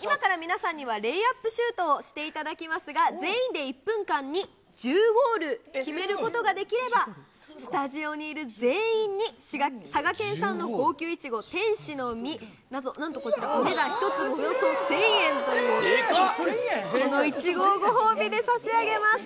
今から皆さんにはレイアップシュートをしていただきますが、全員で１分間に１０ゴール決めることができれば、スタジオにいる全員に、佐賀県産の高級イチゴ、天使の実、なんとこちらお値段１粒およそ１０００円という、このイチゴをご褒美で差し上げます。